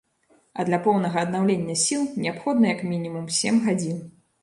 А для поўнага аднаўлення сіл неабходна як мінімум сем гадзін.